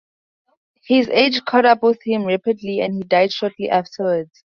His age caught up with him rapidly and he died shortly afterwards.